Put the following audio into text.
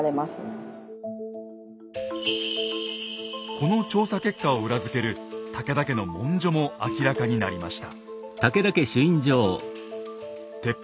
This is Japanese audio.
この調査結果を裏付ける武田家の文書も明らかになりました。